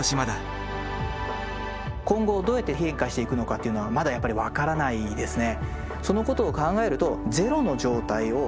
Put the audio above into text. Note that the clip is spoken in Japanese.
今後どうやって変化していくのかっていうのはまだやっぱり分からないですね。